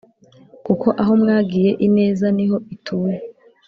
kuko aho mwagiye ineza niho ituye.